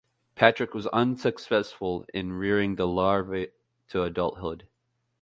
Patrick was unsuccessful in rearing the larvae to adulthood.